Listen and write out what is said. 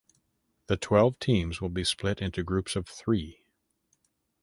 The twelve teams will be split into groups of three.